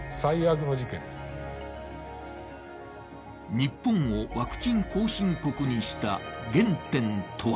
日本をワクチン後進国にした原点とは？